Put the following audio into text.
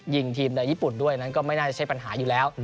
ยิงทีมในญี่ปุ่นด้วยนั้นก็ไม่น่าจะใช่ปัญหาอยู่แล้ว